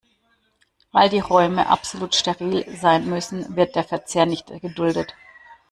Weil die Räume absolut steril sein müssen, wird der Verzehr nicht geduldet.